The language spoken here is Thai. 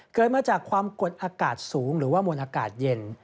เกิดมาจากความกดอากาศสูงหรือว่ามวลอากาศเย็น